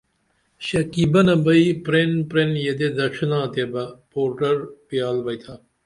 شکی بنہ بئے پرپین پرپین یدے دڇھنا تیبہ پوڈر پیال بیئتُھن